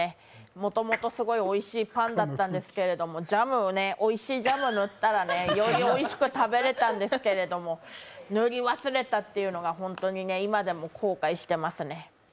元々すごいおいしいパンだったんですけれども、ジャム、おいしいジャム塗ったらよりおいしく食べれたんですけど塗り忘れたっていうのがホントに今でも後悔してますね。